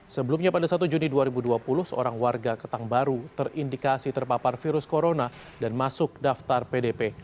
sebelumnya pada satu juni dua ribu dua puluh seorang warga ketang baru terindikasi terpapar virus corona dan masuk daftar pdp